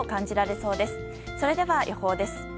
それでは予報です。